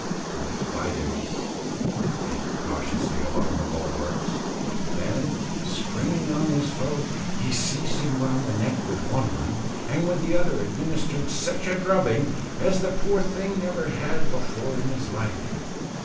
Tom spied him, and ran cautiously along the bulwarks, then springing on his foe, he seized him round the neck with one arm, and with the other administered such a drubbing, as the poor thing never had before in his life.